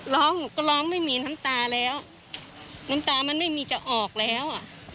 ร้องหนูก็ร้องไม่มีน้ำตาแล้วน้ำตามันไม่มีจะออกแล้วอ่ะ